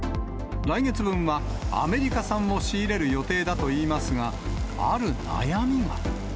来月分は、アメリカ産を仕入れる予定だといいますが、ある悩みが。